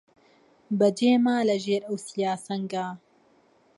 بەجێ ما لە ژێر ئەو سیا سەنگا